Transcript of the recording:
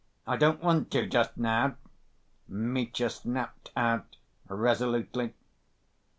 I don't want to just now!" Mitya snapped out, resolutely.